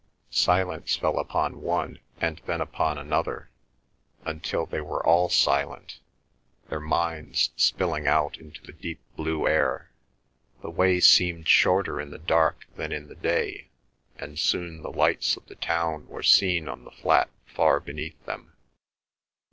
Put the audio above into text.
Silence fell upon one, and then upon another, until they were all silent, their minds spilling out into the deep blue air. The way seemed shorter in the dark than in the day; and soon the lights of the town were seen on the flat far beneath them.